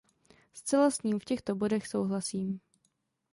Zcela s ním v těchto bodech souhlasím.